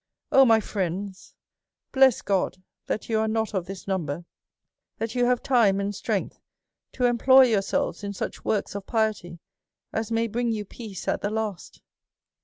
" Oh, my friends ! bless God that you are not of this number, that you have time and strength to em ploy yourselves in such works of piety as may bring you peace at the last.